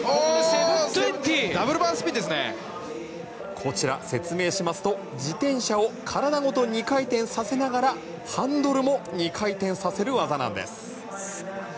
こちら、説明しますと自転車を体ごと２回転させながらハンドルも２回転させる技なんです。